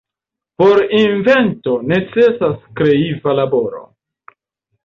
Por invento necesas kreiva laboro.